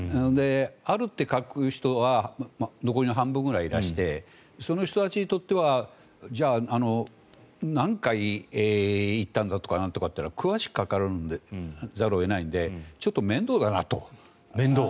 あると書く人は残りの半分くらいいらしてその人たちにとってはじゃあ何回行ったんだとかなんとかってのは詳しく書かざるを得ないのでちょっと面倒だなと。